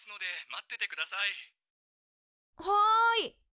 はい！